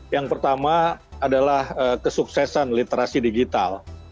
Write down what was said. yang pertama adalah kesuksesan literasi digital